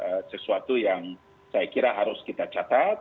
mbak wiwi adalah sesuatu yang saya kira harus kita catat